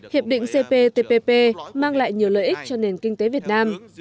hiệp định cptpp mang lại nhiều lợi ích cho nền kinh tế việt nam